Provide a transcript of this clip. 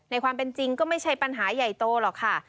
ความเป็นจริงก็ไม่ใช่ปัญหาใหญ่โตหรอกค่ะ